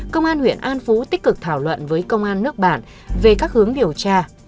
công an huyện an phú tích cực thảo luận với công an nước bạn về các hướng điều tra